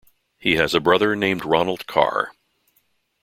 He has a brother named Ronald Carr.